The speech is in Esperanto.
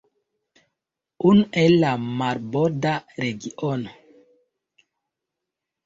Unu en la marborda regiono.